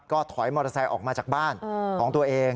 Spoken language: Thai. ก็ถอยมอเตอร์ไซค์ออกมาจากบ้านของตัวเอง